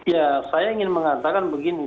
ya saya ingin mengatakan begini